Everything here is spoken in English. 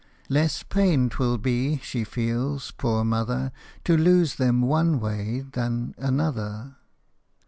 Less pain 't will be, she feels, poor mother, To lose them one way than another.